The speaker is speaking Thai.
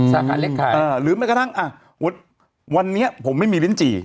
สาขาเล็กขายหรือแม้กระทั่งอ่ะวันนี้ผมไม่มีลิ้นจี่